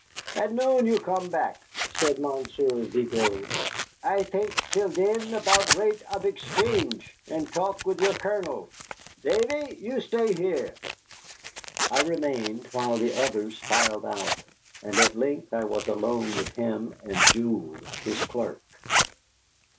"At noon you come back," said Monsieur Vigo. "I think till then about rate of exchange, and talk with your Colonel. Davy, you stay here." I remained, while the others filed out, and at length I was alone with him and Jules, his clerk.